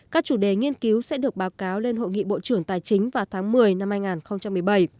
các chủ đề nghiên cứu sẽ được báo cáo lên hội nghị bộ trưởng tài chính vào tháng một mươi năm hai nghìn một mươi bảy